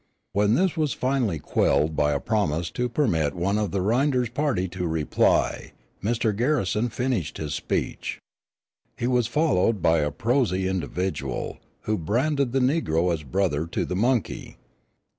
When this was finally quelled by a promise to permit one of the Rynders party to reply, Mr. Garrison finished his speech. He was followed by a prosy individual, who branded the negro as brother to the monkey.